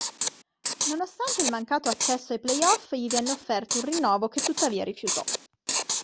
Nonostante il mancato accesso ai playoff gli venne offerto un rinnovo che tuttavia rifiutò.